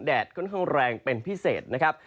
แดดค่อนข้างแรงเป็นพิเศษนะครับ